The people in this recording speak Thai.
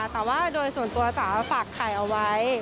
แต่ว่าโดยส่วนตัวจ๋าฝากไข่เอาไว้